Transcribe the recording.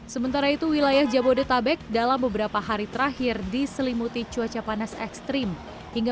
sementara itu wilayah jabodetabek dalam beberapa hari terakhir diselimuti cuaca panas ekstrim hingga